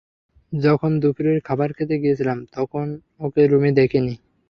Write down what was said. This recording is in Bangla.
যখন দুপুরের খাবার খেতে গিয়েছিলাম তখন ওকে রুমে দেখিনি।